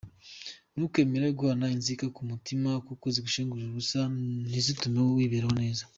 Ntukemere guhorana inzika ku mutima kuko zigushengurira ubusa ntizitume wiberaho neza.